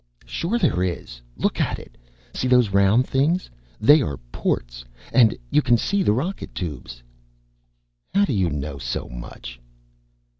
"Sure, there is. Look at it. See those round things. They are ports. And you can see the rocket tubes." "How do you know so much?"